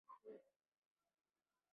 মেয়েটি একটি কথাও বলল না।